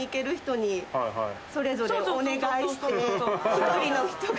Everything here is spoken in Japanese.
１人の人が。